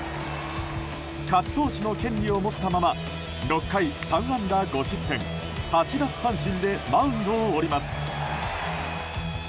勝ち投手の権利を持ったまま６回３安打５失点８奪三振でマウンドを降ります。